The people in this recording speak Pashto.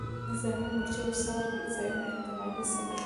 نظامي مورچې او څار ځایونه احتمالي سیمې دي.